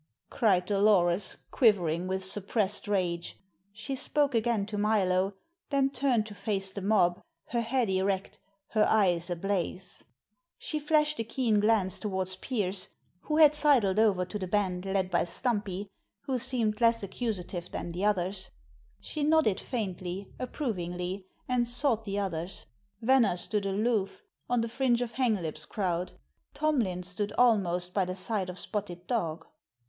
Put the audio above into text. cried Dolores, quivering with suppressed rage. She spoke again to Milo, then turned to face the mob, her head erect, her eyes ablaze. She flashed a keen glance toward Pearse, who had sidled over to the band led by Stumpy, who seemed less accusative than the others; she nodded faintly, approvingly, and sought the others. Venner stood aloof, on the fringe of Hanglip's crowd; Tomlin stood almost by the side of Spotted Dog.